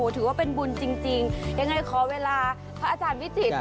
ถือว่าเป็นบุญจริงยังไงขอเวลาพระอาจารย์วิจิตร